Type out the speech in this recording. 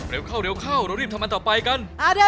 เข้าเร็วเข้าเรารีบทำอันต่อไปกัน